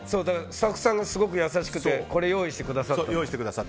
スタッフさんがすごく優しくてこれを用意してくださって。